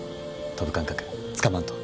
飛ぶ感覚つかまんと。